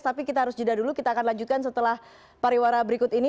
tapi kita harus jeda dulu kita akan lanjutkan setelah pariwara berikut ini